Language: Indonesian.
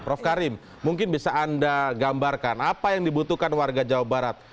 prof karim mungkin bisa anda gambarkan apa yang dibutuhkan warga jawa barat